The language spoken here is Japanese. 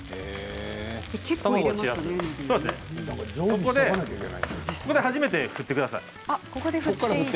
ここで初めて振ってください。